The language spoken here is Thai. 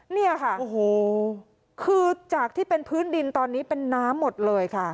เนี่ยค่ะโอ้โหคือจากที่เป็นพื้นดินตอนนี้เป็นน้ำหมดเลยค่ะ